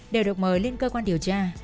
đều được mời lên cơ quan điều tra